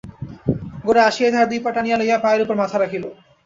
গোরা আসিয়াই তাঁহার দুই পা টানিয়া লইয়া পায়ের উপর মাথা রাখিল।